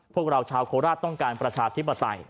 พวกเราชาวโคราชต้องการประชาธิปไตย